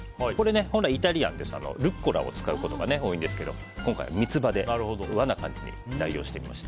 本来イタリアンではルッコラを使うことが多いんですけど今回は三つ葉で、和な感じで代用します。